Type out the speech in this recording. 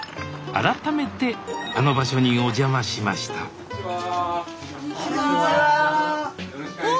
改めてあの場所にお邪魔しましたこんにちは。